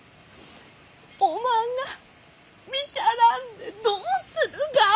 おまんが見ちゃらんでどうするが。